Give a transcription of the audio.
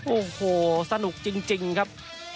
โอ้โหสนุกจริงครับ